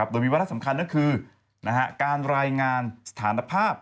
โดยมีวาระสำคัญก็คือการรายงานสถานภาพ